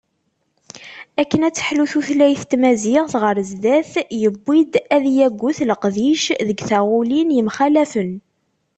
Akken ad telḥu tutlayt n tmaziɣt ɣer sdat, yewwi-d ad yaget leqdic deg taɣulin yemxalafen.